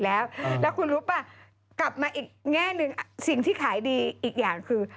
แล้วคุณรู้ป่ะกลับมาอีกแง่หนึ่งสิ่งที่ขายดีอีกอย่างคือ